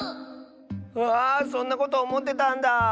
うわあそんなことおもってたんだあ。